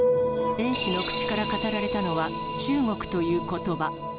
Ａ氏の口から語られたのは中国ということば。